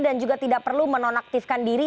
dan juga tidak perlu menonaktifkan diri